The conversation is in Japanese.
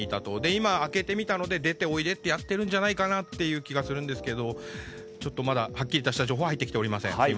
今、開けてみたので出ておいでとやっているんじゃないかなという気がするんですがまだはっきりとした情報は入ってきていません。